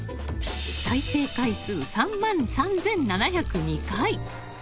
再生回数３万３７０２回。